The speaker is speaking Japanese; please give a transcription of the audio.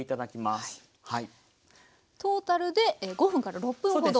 トータルで５分から６分ほど。